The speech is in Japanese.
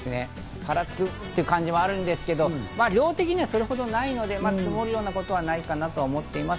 パラつく感じもあるんですけど、量的にはそれほどないので、積もるようなことはないかなと思っています。